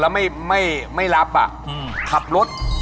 แล้วไม่รับอ่ะขับรถ